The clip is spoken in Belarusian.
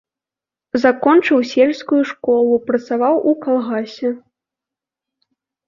Закончыў сельскую школу, працаваў у калгасе.